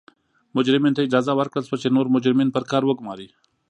مجرمینو ته اجازه ورکړل شوه چې نور مجرمین پر کار وګوماري.